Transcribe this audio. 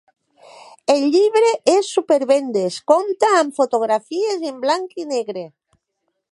El llibre és supervendes, compta amb fotografies en blanc i negre.